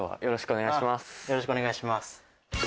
よろしくお願いします。